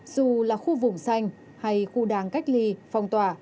dù là khu vùng xanh hay khu đảng cách ly phòng tòa